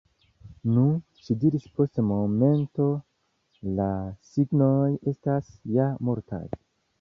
Nu, ŝi diris post momento, la signoj estas ja multaj.